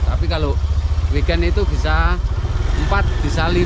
tapi kalau weekend itu bisa empat bisa lima